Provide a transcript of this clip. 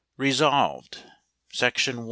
1 Resolved, 2 Section 1